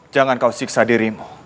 jangan kau siksa dirimu